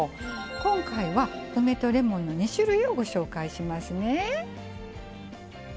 今回は梅とレモンの２種類をご紹介しますね。